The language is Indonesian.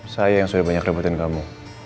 saya yang sudah banyak rebutin kamu